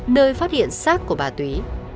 nơi phát hiện xác của bà túy